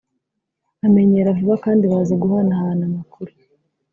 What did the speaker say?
bamenyera vuba kandi bazi guhanahana amakuru